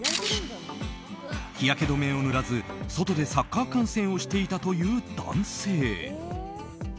日焼け止めを塗らず外でサッカー観戦をしていたという男性。